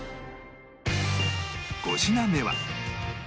５品目は